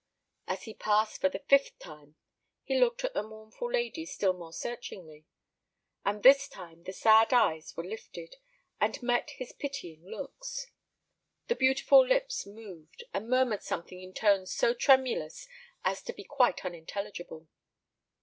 As he passed for the fifth time, he looked at the mournful lady still more searchingly, and this time the sad eyes were lifted, and met his pitying looks. The beautiful lips moved, and murmured something in tones so tremulous as to be quite unintelligible.